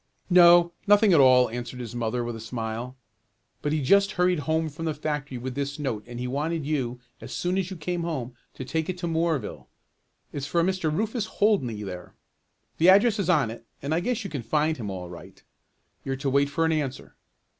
"No, nothing at all," answered his mother with a smile. "But he just hurried home from the factory with this note and he wanted you, as soon as you came home, to take it to Moorville. It's for a Mr. Rufus Holdney there. The address is on it, and I guess you can find him all right. You're to wait for an answer.